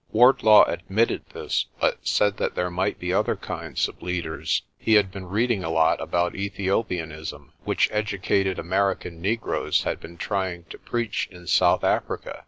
Wardlaw admitted this, but said that there might be other kinds of leaders. He had been reading a lot about Ethiopianism, which educated American negroes had been trying to preach in South Africa.